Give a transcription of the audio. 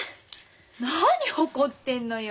何怒ってんのよ。